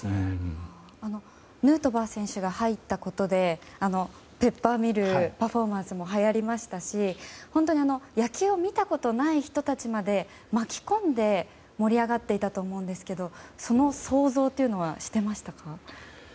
ヌートバー選手が入ったことでペッパーミルパフォーマンスもはやりましたし野球を見たことない人たちまで巻き込んで盛り上がっていたと思うんですけどその想像というのはしていましたか？